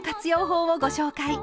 法をご紹介。